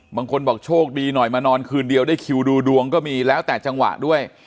บางคนบอกโชคดีหน่อยมานอนคืนเดียวได้คิวดูดวงก็มีแล้วแต่จังหวะด้วย